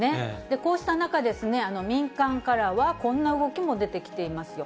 こうした中、民間からはこんな動きも出てきていますよ。